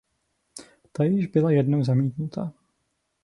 Ta již byla jednou zamítnuta.